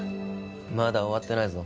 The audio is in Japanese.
まだ終わってないぞ